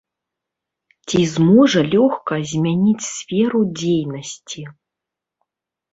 Ці зможа лёгка змяніць сферу дзейнасці?